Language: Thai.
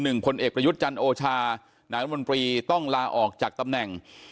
หนึ่งคนเอกประยุทธ์จันทร์โอชาหนาวนบรีต้องลาออกจากตำแหน่ง